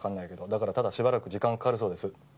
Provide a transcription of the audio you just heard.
だからただしばらく時間かかるそうです。